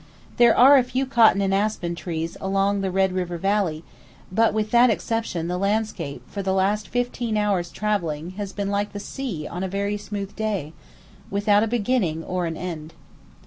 There are a few cotton and aspen trees along the Red River Valley, but with that exception the landscape for the last fifteen hours' travelling has been like the sea on a very smooth day, without a beginning or an end.